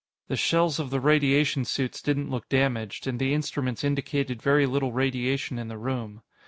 The shells of the radiation suits didn't look damaged, and the instruments indicated very little radiation in the room.